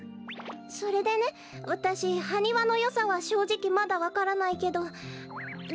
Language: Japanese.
それでねわたしハニワのよさはしょうじきまだわからないけどどう？